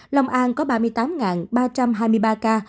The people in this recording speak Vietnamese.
long an có ba mươi tám ba trăm hai mươi ba ca